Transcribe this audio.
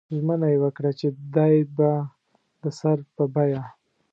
ژمنه یې وکړه چې دی به د سر په بیه.